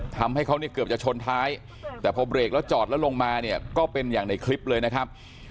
ทำให้เขาเนี่ยเกือบจะชนท้ายแต่พอเบรกแล้วจอดแล้วลงมาเนี่ยก็เป็นอย่างในคลิปเลยนะครับ